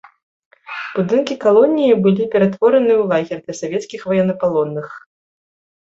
Будынкі калоніі былі ператвораныя ў лагер для савецкіх ваеннапалонных.